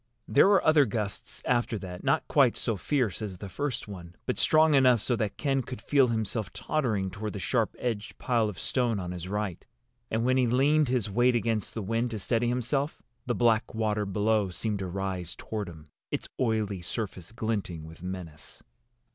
There were other gusts after that, not quite so fierce as the first one, but strong enough so that Ken could feel himself tottering toward the sharp edged pile of stone on his right. And when he leaned his weight against the wind, to steady himself, the black water below seemed to rise toward him, its oily surface glinting with menace.